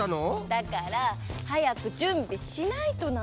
だからはやくじゅんびしないとなの。